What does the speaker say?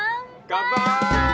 乾杯！